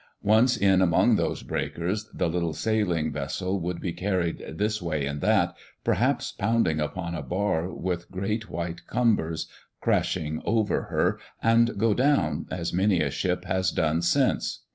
Once in among those breakers, the little sailing vessel would be carried this way and that, perhaps pounding upon a bar with great white combers crashing over her — and go down, as many a ship has done since.